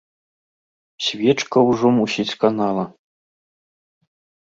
Свечка ўжо мусіць канала.